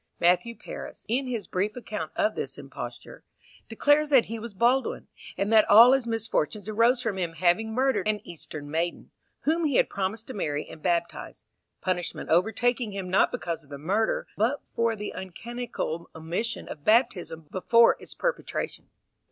Matthew Paris, in his brief account of this imposture, declares that he was Baldwin, and that all his misfortunes arose from him having murdered an Eastern maiden, whom he had promised to marry and baptize; punishment overtaking him not because of the murder, but for "the uncanonical omission of baptism before its perpetration."